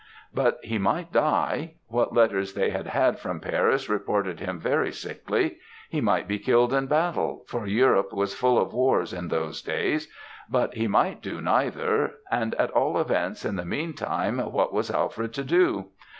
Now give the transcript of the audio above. "But he might die; what letters they had had from Paris reported him very sickly; he might be killed in battle, for Europe was full of wars in those days; but he might do neither; and at all events, in the meantime what was Alfred to do?